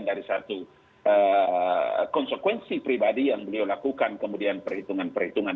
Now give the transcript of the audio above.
dari satu konsekuensi pribadi yang beliau lakukan kemudian perhitungan perhitungan